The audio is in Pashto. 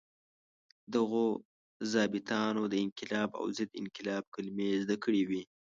دغو ظابیطانو د انقلاب او ضد انقلاب کلمې زده کړې وې.